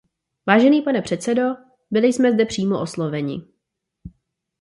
Vážený pane předsedo, byli jsme zde přímo osloveni.